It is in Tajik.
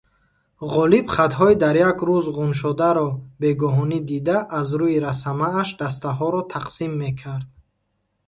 Ғолиб хатҳои дар як рӯз ғуншударо бегоҳонӣ дида, аз рӯи расамааш дастаҳоро тақсим мекард.